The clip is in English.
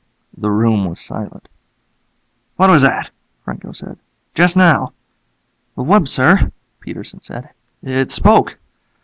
The room was silent. "What was that?" Franco said. "Just now." "The wub, sir," Peterson said. "It spoke."